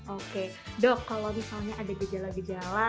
oke dok kalau misalnya ada gejala gejala